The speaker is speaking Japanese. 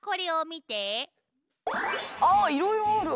あいろいろある。